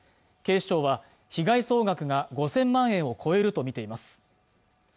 警視庁は被害総額が５０００万円を超えるとみています